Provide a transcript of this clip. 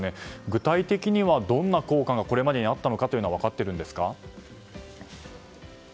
具体的には、どんな効果がこれまでにあったのかは分かっているんですか？